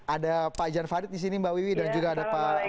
ada pak jan farid di sini mbak wiwi dan juga ada pak